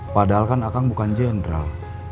padahal kan akang bukan jenderal